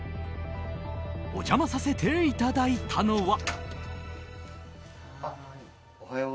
お邪魔させていただいたのは。